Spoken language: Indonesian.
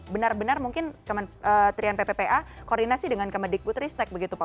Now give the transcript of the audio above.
benar benar mungkin kementerian pppa koordinasi dengan kemedik putristek begitu pak